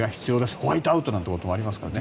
ホワイトアウトなんてこともありますからね。